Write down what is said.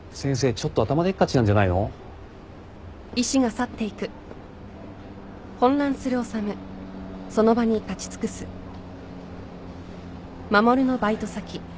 ちょっと頭でっかちなんじゃないの？ハァ。